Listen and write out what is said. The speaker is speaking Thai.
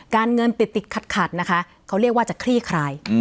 การเงินติดติดขัดนะคะเขาเรียกว่าจะคลี่คลาย